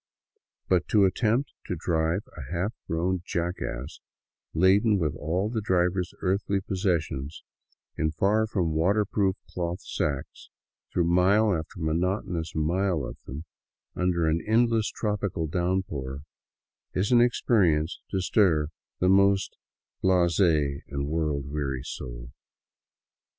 But to attempt to drive a half grown jackass, laden with all the driver's earthly possessions in far from water proof cloth sacks, through mile after monotonous mile of them, under an endless tropical downpour, is an experience to stir the most blaze and world weary soul.